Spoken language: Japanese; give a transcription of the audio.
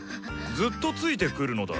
ずっとついてくるのだ。